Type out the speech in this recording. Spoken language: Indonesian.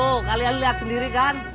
oh kalian lihat sendiri kan